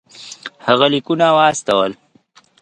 هغه لیکونه واستول.